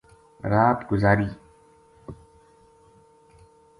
رات گزار ی